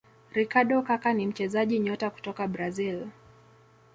ricardo Kaka ni mchezaji nyota kutoka brazil